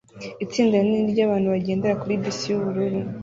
Itsinda rinini ryabantu bagendera kuri bus yubururu